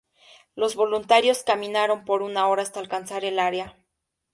Los voluntarios caminaron por una hora hasta alcanzar el área.